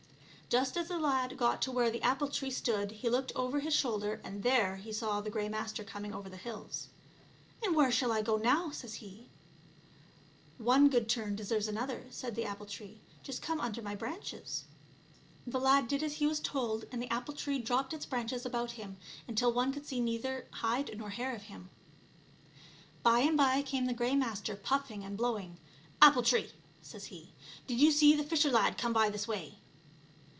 Just as the lad got to where the apple tree stood he looked over his shoulder, and there he saw the Grey Master coming over the hills. " And where shall I go now," says he. "One good turn deserves another," said the apple tree; "just come under my branches." The lad did as he was told, and the apple tree drooped its branches about him, until one could see neither hide nor hair of him. By and by up came the Grey Master puffing and blowing. "Apple tree," says he, " did you see the fisher lad come by this way?"